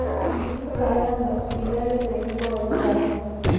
Empezó su carrera en los filiales del equipo vallecano.